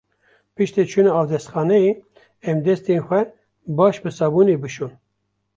Piştî çûna avdestxaneyê, em destên xwe baş bi sabûnê bişon.